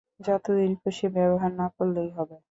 যতদিন খুশি ব্যবহার না করলেই হবে।